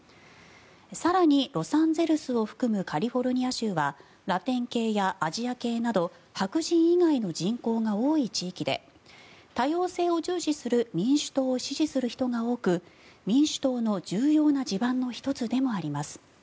更に、ロサンゼルスを含むカリフォルニア州はラテン系やアジア系など白人以外の人口が多い地域で多様性を重視する民主党を支持する人が多く民主党の重要な地盤の１つでもあります。